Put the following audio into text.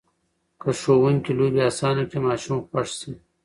که ښوونکي لوبې اسانه کړي، ماشوم خوښ شي.